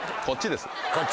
こっちですね。